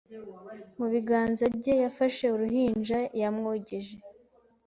Mu biganza bye yafashe uruhinja Yamwogeje